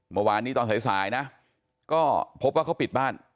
เมื่อวานนี้ตอนสายนะก็พบว่าเขาปิดบ้าน